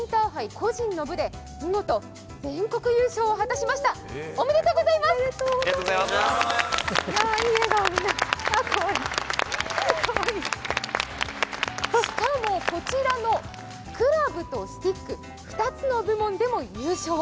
更にこちらのクラブとスティック、２つの部門でも優勝。